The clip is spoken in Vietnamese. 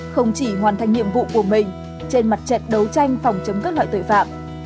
không chỉ hoàn thành nhiệm vụ của mình trên mặt trận đấu tranh phòng chống các loại tội phạm